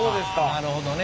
なるほどね。